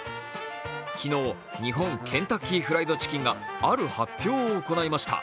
昨日、日本ケンタッキーフライドチキンがある発表を行いました。